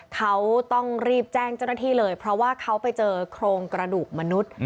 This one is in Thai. เขาต้องรีบแจ้งเจ้าหน้าที่เลยเพราะว่าเขาไปเจอโครงกระดูกมนุษย์